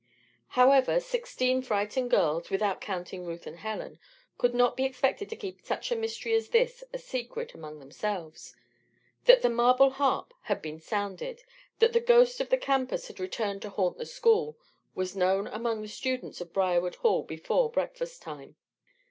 However, sixteen frightened girls (without counting Ruth and Helen) could not be expected to keep such a mystery as this a secret among themselves. That the marble harp had been sounded that the ghost of the campus had returned to haunt the school was known among the students of Briarwood Hall before breakfast time.